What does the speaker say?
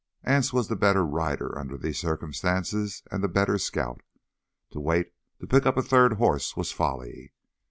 Anse was the better rider under these circumstances, and the better scout. To wait to pick up a third horse was folly.